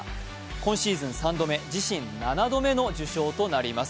今シーズン３度目自身７度目の受賞となります。